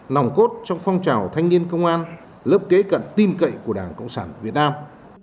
nòng cốt trong phong trào thanh niên công an lớp kế cận tin cậy của đảng cộng sản việt nam